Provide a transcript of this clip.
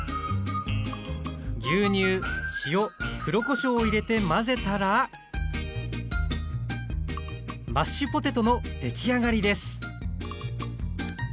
牛乳塩黒こしょうを入れて混ぜたらマッシュポテトの出来上がりです